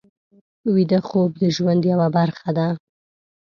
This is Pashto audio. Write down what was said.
ویده خوب د ژوند یوه برخه ده